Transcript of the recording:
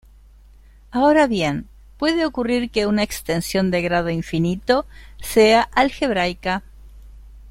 Ahora bien, puede ocurrir que una extensión de grado infinito sea algebraica.